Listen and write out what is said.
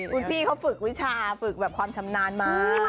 คุณพี่เขาฝึกวิชาฝึกแบบความชำนาญมา